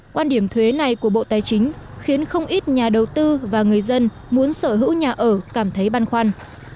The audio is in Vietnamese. quan điểm thuế này của bộ tài chính khiến không ít nhà đầu tư và người dân muốn sở hữu nhà ở cảm thấy băn khoăn